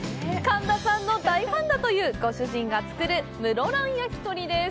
神田さんの大ファンだというご主人が作る室蘭やきとりです。